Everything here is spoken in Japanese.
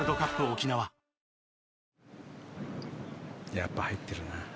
やっぱり入ってるな。